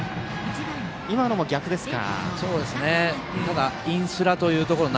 今のも逆ですか。